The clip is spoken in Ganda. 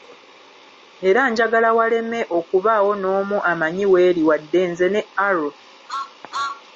Era njagala waleme okubaawo n'omu amanya w'eri wadde nze ne Arrow.